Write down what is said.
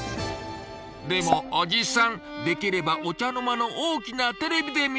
でもおじさんできればお茶の間の大きなテレビで見たいなあ。